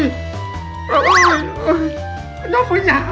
พี่ถึกจ้าชายหญิงอยู่ในห้องด้วยกันซะ